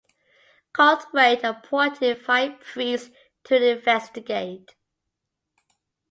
Cornthwaite appointed five priests to investigate.